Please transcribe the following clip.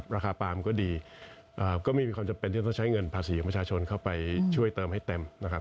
ราคาปาล์มก็ดีก็ไม่มีความจำเป็นที่จะต้องใช้เงินภาษีของประชาชนเข้าไปช่วยเติมให้เต็มนะครับ